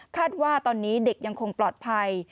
ว่าตอนนี้เด็กยังคงปลอดภัย